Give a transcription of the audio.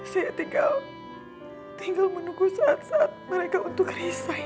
saya tinggal menunggu saat saat mereka untuk risai